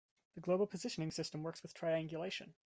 The global positioning system works with triangulation.